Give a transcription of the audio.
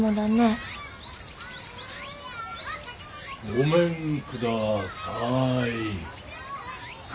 ごめんください。